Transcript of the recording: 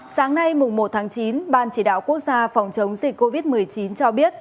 sáng nay một tháng chín ban chỉ đạo quốc gia phòng chống dịch covid một mươi chín cho biết